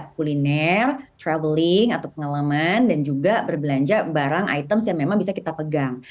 kuliner traveling atau pengalaman dan juga berbelanja barang items yang memang bisa kita pegang